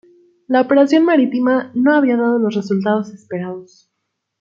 La operación marítima no había dado los resultados esperados.